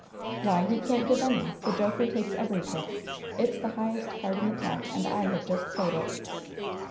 "Why, he can't give any! The joker takes every trick! It's the highest card in the pack, and I have just played it!"